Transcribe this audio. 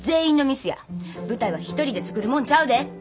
舞台は一人で作るもんちゃうで。